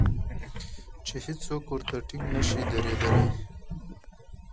چې هېڅوک ورته ټینګ نشي درېدلای.